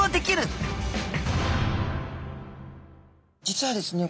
実はですね